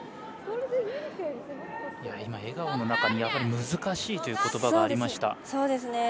今、笑顔の中にやはり、難しいという言葉がありました。